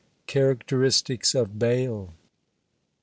CHARACTERISTICS OF BAYLE.